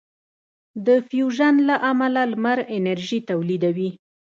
د فیوژن له امله لمر انرژي تولیدوي.